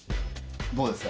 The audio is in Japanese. どうですか？